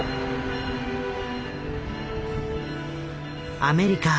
アメリカ